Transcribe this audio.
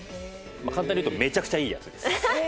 簡単に言うとめちゃくちゃいいやつです。